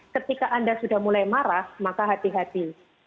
ketika anda sudah mulai marah maka hati hati